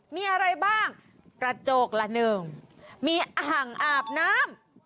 มีอะไรบ้างกระจกละหนึ่งมีอ่างอาบน้ำ